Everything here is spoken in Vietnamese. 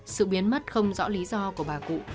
sự biến mất không rõ lý do của bà cụ